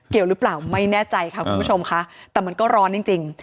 เกี่ยวหรือเปล่าไม่แน่ใจค่ะคุณผู้ชมค่ะแต่มันก็ร้อนจริงจริง